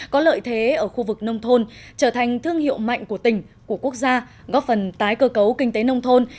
có lợi thế ở khu vực nông thôn trở thành thương hiệu mạnh của tỉnh của quốc gia góp phần tái cơ cấu kinh tế nông thôn